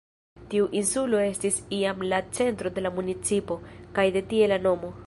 Tiu insulo estis iam la centro de la municipo, kaj de tie la nomo.